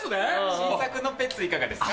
新作のＰＥＺいかがですか？